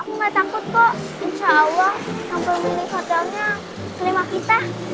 aku gak takut kok insya allah sampai mending hotelnya kelima kita